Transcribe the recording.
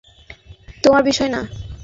তোমার বিষয় না?